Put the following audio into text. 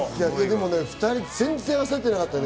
２人、全然焦ってなかったね。